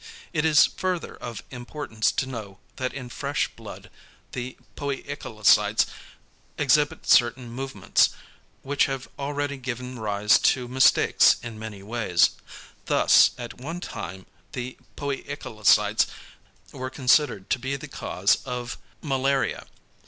It is further of importance to know, that in fresh blood the poikilocytes exhibit certain movements, which have already given rise to mistakes in many ways. Thus at one time the poikilocytes were considered to be the cause of malaria.